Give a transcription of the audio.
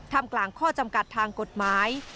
กลางข้อจำกัดทางกฎหมาย